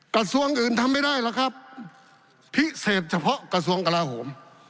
กระทรวงอื่นทำไม่ได้หรอกครับพิเศษเฉพาะกระทรวงกลาโหม